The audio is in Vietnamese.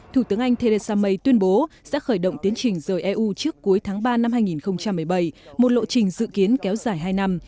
thủ tướng anh theresa may tuyên bố sẽ khởi động tiến trình rời eu trước cuối tháng ba năm hai nghìn một mươi bảy một lộ trình dự kiến kéo dài hai năm